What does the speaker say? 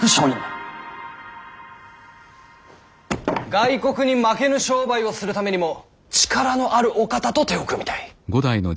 外国に負けぬ商売をするためにも力のあるお方と手を組みたい。